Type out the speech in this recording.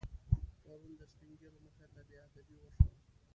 پرون د سپینږیرو مخې ته بېادبي وشوه.